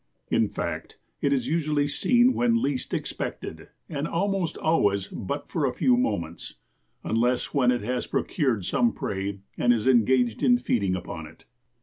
In fact, it is usually seen when least expected and almost always but for a few moments, unless when it has procured some prey and is engaged in feeding upon it.